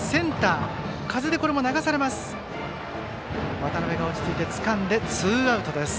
渡邊が落ち着いてつかんでツーアウトです。